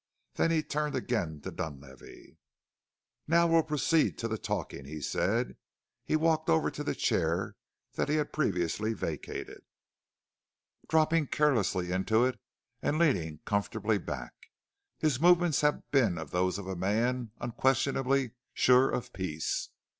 Then he turned again to Dunlavey. "Now we'll proceed to do the talking," he said. He walked over to the chair that he had previously vacated, dropping carelessly into it and leaning comfortably back. His movements had been those of a man unquestionably sure of peace.